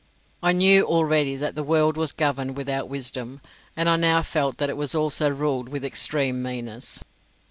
I knew already that the world was governed without wisdom, and I now felt that it was also ruled with extreme meanness.